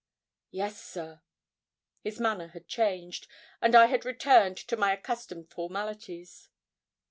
'Yes, sir.' His manner had changed, and I had returned to my accustomed formalities.